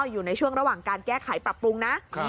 อยู่ในช่วงระหว่างการแก้ไขปรับปรุงนะ